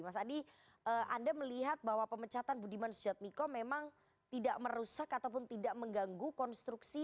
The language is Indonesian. mas adi anda melihat bahwa pemecatan budiman sujadmiko memang tidak merusak ataupun tidak mengganggu konstruksi